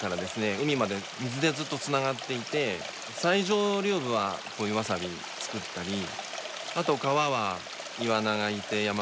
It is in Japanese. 海まで水でずっとつながっていて最上流部はこういうわさびを作ったりあと川はイワナがいてヤマメがいてアユがいて。